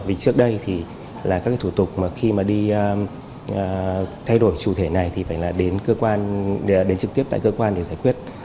vì trước đây thì là các cái thủ tục mà khi mà đi thay đổi chủ thể này thì phải là đến cơ quan đến trực tiếp tại cơ quan để giải quyết